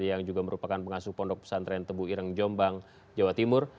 yang juga merupakan pengasuh pondok pesantren tebu ireng jombang jawa timur